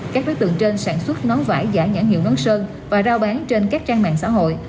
các đối tượng trên sản xuất nón vải giả nhãn hiệu ngón sơn và rao bán trên các trang mạng xã hội